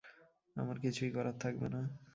আমার কিছুই করার থাকবে না।